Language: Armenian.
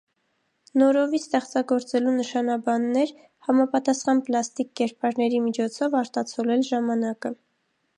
Նորովի ստեղծագործելու նշանաբանն էր՝ համապատասխան պլաստիկ կերպարների միջոցով արտացոլել ժամանակը։